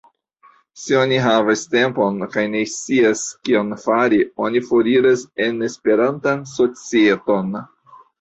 Se oni havas tempon kaj ne scias, kion fari, oni foriras en Esperantan societon.